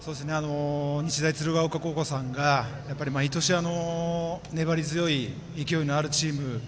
日大鶴ヶ丘高校さんが毎年、粘り強い勢いのあるチーム